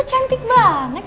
kok cantik banget sih